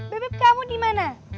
bebep kamu dimana